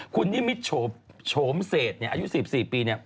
คุณนิมิตรโฉมเศษอายุ๑๔ปี